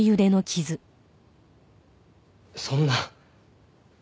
そんな。